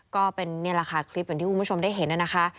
ก็เป็นนี่แหละค่ะคลิปอย่างที่คุณผู้ชมได้เห็นนะคะ